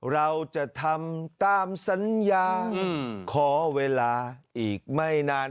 เราจะทำตามสัญญาขอเวลาอีกไม่นาน